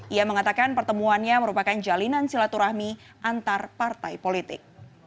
ia mengatakan pertemuannya merupakan jalinan silaturahmi antar partai politik